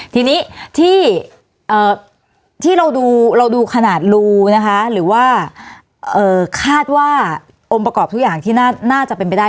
ทีนี้ที่เราดูเราดูขนาดรูนะคะหรือว่าคาดว่าองค์ประกอบทุกอย่างที่น่าจะเป็นไปได้